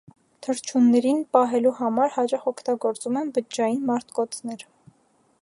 Թռչուններին պահելու համար հաճախ օգտագործում են բջջային մարտկոցներ։